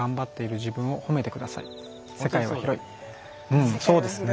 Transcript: うんそうですね。